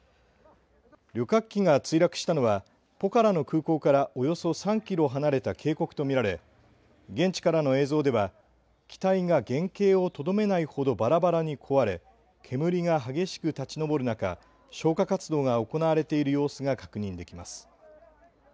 旅客機が墜落したのはポカラの空港からおよそ３キロ離れた渓谷と見られ現地からの映像では機体が原形をとどめないほどばらばらに壊れ煙が激しく立ち上る中消火活動が行われている様子が確認できます。